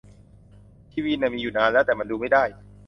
ทีวีน่ะมีอยู่นานแล้ว แต่มันดูไม่ได้